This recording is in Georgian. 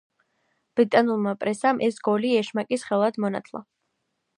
ბრიტანულმა პრესამ ეს გოლი „ეშმაკის ხელად“ მონათლა.